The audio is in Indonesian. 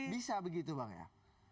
bisa begitu bang ya